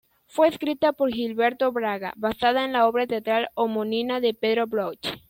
Fue escrita por Gilberto Braga, basada en la obra teatral homónima de Pedro Bloch.